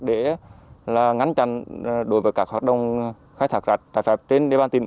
để ngăn chặn đối với các hoạt động khai thác cát trái phép trên địa bàn tỉnh